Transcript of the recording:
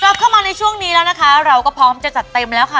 กลับเข้ามาในช่วงนี้แล้วนะคะเราก็พร้อมจะจัดเต็มแล้วค่ะ